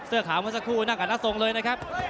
เสื้อขาวเมื่อสักครู่นั่งกับหน้าทรงเลยนะครับ